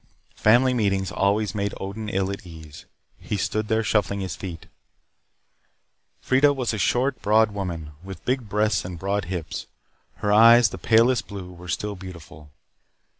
Family meetings always made Odin ill at ease. He stood there, shuffling his feet. Freida was a short, broad woman, with big breasts and broad hips. Her eyes, the palest blue, were still beautiful.